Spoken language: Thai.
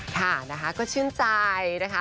ค่ะนะคะก็ชื่นใจนะคะ